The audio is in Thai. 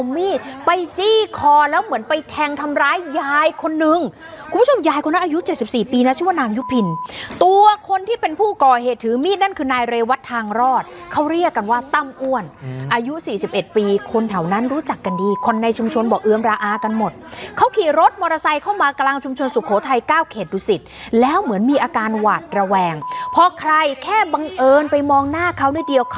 มีนะชื่อนางยุพินตัวคนที่เป็นผู้ก่อเหตุถือมีดนั่นคือนายเรวัตรทางรอดเขาเรียกกันว่าตั้มอ้วนอืมอายุสี่สิบเอ็ดปีคนแถวนั้นรู้จักกันดีคนในชุมชนบอกเอื้อมละอากันหมดเขาขี่รถมอเตอร์ไซค์เข้ามากลางชุมชนสุโขทัยเก้าเขตดุสิตแล้วเหมือนมีอาการหวาดระแวงพอใครแค่บังเอิญไปมองหน้าเขานี่เดียว